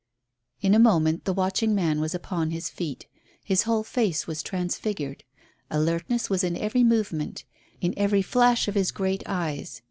In a moment the watching man was upon his feet. His whole face was transfigured. Alertness was in every movement, in every flash of his great eyes.